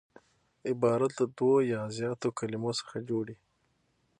عبارت له دوو یا زیاتو کليمو څخه جوړ يي.